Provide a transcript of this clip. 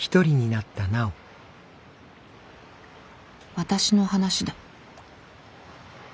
私の話だ。